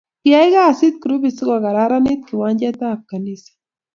Kiyay kasit grupit sokokararanit kiwanjet ab kanisa